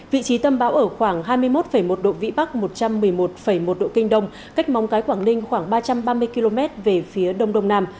vị trí tâm bão ở khoảng hai mươi một một độ vĩ bắc một trăm một mươi một một độ kinh đông cách mong cái quảng ninh khoảng ba trăm ba mươi km về phía đông đông nam